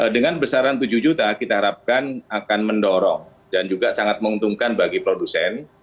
dengan besaran tujuh juta kita harapkan akan mendorong dan juga sangat menguntungkan bagi produsen